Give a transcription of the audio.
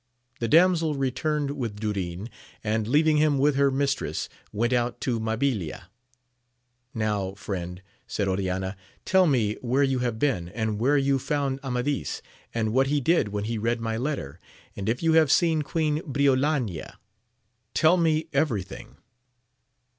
The dam sel returned with Durin, and leaving him with her mistress, went out to Mabilia. Now, Mend, said Qriana, tell me where you have been, and where you found Amafcdisj and what he did when he read my letter, and if you have seen Queen Briolania : tell me every thing.